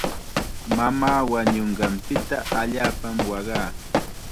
Mamaa wañunqanpita allaapam waqaa.